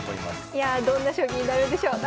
いやどんな将棋になるんでしょう？